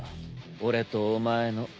俺とお前の。